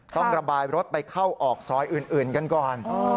ต้องระบายรถไปเข้าออกซอยอื่นกันก่อน